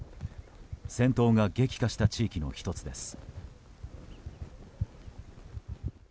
戦闘が激化した地域の１つです。